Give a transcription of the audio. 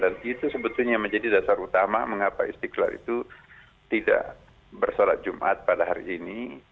dan itu sebetulnya menjadi dasar utama mengapa istiqlal itu tidak bersolat jumat pada hari ini